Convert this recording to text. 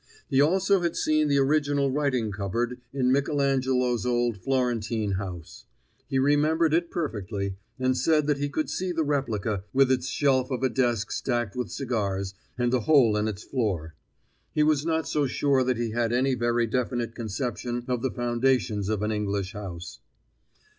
He also had seen the original writing cupboard in Michelangelo's old Florentine house; he remembered it perfectly, and said that he could see the replica, with its shelf of a desk stacked with cigars, and the hole in its floor. He was not so sure that he had any very definite conception of the foundations of an English house.